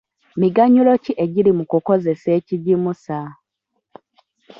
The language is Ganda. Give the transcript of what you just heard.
Miganyulo ki egiri mu kukozesa ekigimusa?